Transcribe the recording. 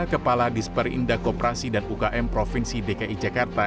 kepala disper indah koperasi dan ukm provinsi dki jakarta